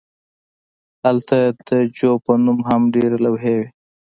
هلته د جو په نوم هم ډیرې لوحې وې